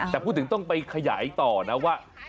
แต่พูดถึงต้องไปขยายต่อนะว่า